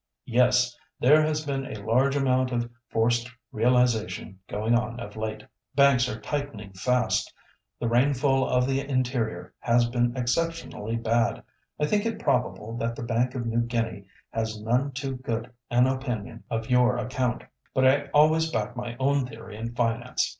"Yes! there has been a large amount of forced realisation going on of late. Banks are tightening fast. The rainfall of the interior has been exceptionally bad. I think it probable that the Bank of New Guinea has none too good an opinion of your account. But I always back my own theory in finance.